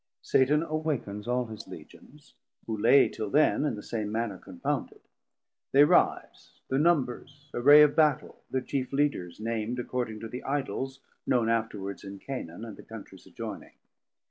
Satan awakens all his Legions, who lay till then in the same manner confounded; They rise, thir Numbers, array of Battel, thir chief Leaders nam'd according to the Idols known afterwards in Canaan and the Countries adjoyning.